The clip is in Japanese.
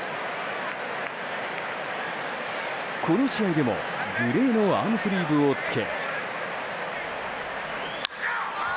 この試合でも、グレーのアームスリーブを着け。